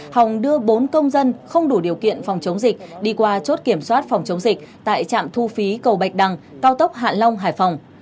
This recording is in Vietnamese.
hồng đưa bốn công dân không đủ điều kiện phòng chống dịch đi qua chốt kiểm soát phòng chống dịch tại trạm thu phí cầu bạch đằng cao tốc hạ long hải phòng